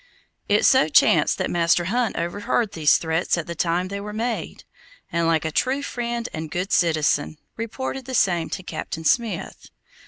It so chanced that Master Hunt overheard these threats at the time they were made, and, like a true friend and good citizen, reported the same to Captain Smith.